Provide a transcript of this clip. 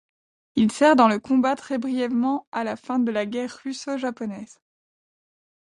Il sert dans le combat très brièvement à la fin de la Guerre russo-japonaise.